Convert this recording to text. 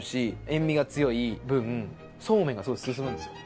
塩みが強い分そうめんがすごい進むんですよ。